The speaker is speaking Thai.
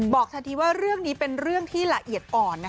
ทันทีว่าเรื่องนี้เป็นเรื่องที่ละเอียดอ่อน